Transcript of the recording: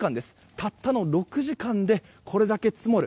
たったの６時間でこれだけ積もる。